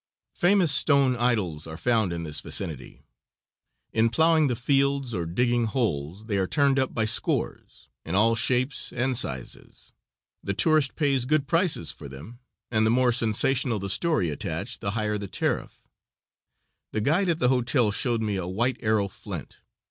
Famous stone idols are found in this vicinity. In plowing the fields or digging holes they are turned up by scores, in all shapes and sizes; the tourist pays good prices for them, and the more sensational the story attached the higher the tariff; the guide at the hotel showed me a white arrow flint.